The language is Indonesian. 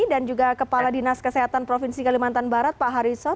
dan juga kepala dinas kesehatan provinsi kalimantan barat pak harisson